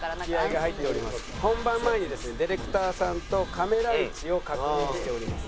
本番前にですねディレクターさんとカメラ位置を確認しております。